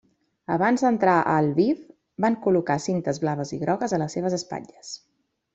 Abans d'entrar a Lviv, van col·locar cintes blaves i grogues a les seves espatlles.